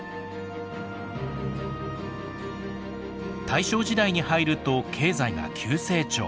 大正時代に入ると経済が急成長。